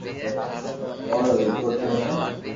جو رو ويگوتيل ھي